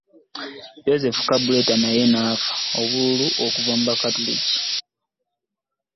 Joseph Kabuleta naye n'afuna obululu okuva mu bakatoliki